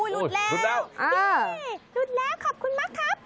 ลุดแล้วเย้อู้วลุดแล้ว